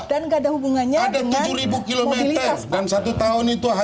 dan nggak ada hubungannya dengan mobilitas pak